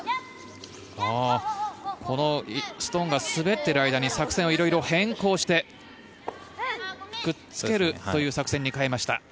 このストーンが滑っている間に作戦を色々変更してくっつけるという作戦に変えました。